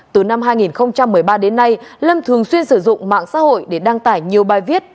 từ năm hai nghìn một mươi ba đến nay lâm thường xuyên sử dụng mạng xã hội để đăng tải nhiều bài viết